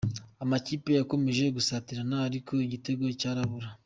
Amakipe yakomeje gusatirana, ariko igitego cyorabura.